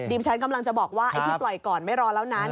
ฉันกำลังจะบอกว่าไอ้ที่ปล่อยก่อนไม่รอแล้วนั้น